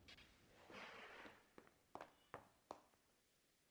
V závorkách je uveden počet obyvatel obecních jednotek a komunit.